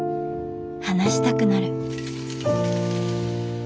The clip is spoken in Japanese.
話したくなる。